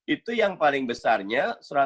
itu yang paling besarnya